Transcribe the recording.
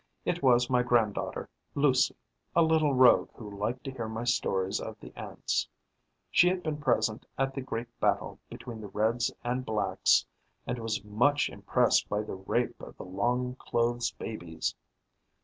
It was my grand daughter Lucie, a little rogue who liked to hear my stories of the Ants. She had been present at the great battle between the reds and blacks and was much impressed by the rape of the long clothes babies.